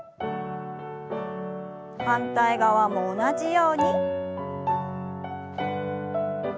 反対側も同じように。